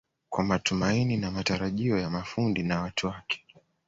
kwa matumaini na matarajio ya mafundi na watu wake